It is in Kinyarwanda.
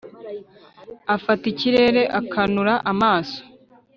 Afata ikirere akanura amaso: